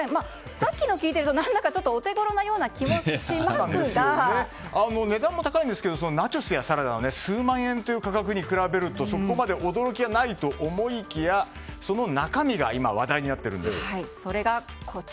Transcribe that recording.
さっきの聞いていると何だかちょっとお手ごろのような値段も高いんですけどナチョスやサラダは数万円という価格に比べると、そこまで驚きはないかと思いきやその中身が今話題になっているんです。